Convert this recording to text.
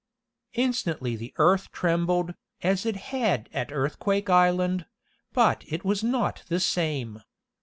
Instantly the earth trembled, as it had at Earthquake Island, but it was not the same.